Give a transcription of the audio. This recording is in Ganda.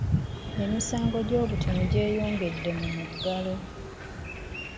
Emisango gy’obutemu gyeyongedde mu muggalo.